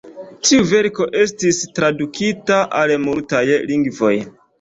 Tiu verko estis tradukita al multaj lingvoj.